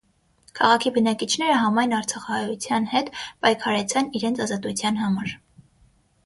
Քաղաքի բնակիչները համայն արցախահայութեան հետ պայքարեցան իրենց ազատութեան համար։